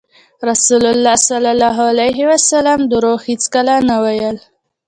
رسول الله ﷺ دروغ هېڅکله نه ویل.